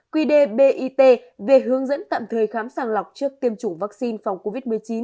quy đề bit về hướng dẫn tạm thời khám sàng lọc trước tiêm chủng vaccine phòng covid một mươi chín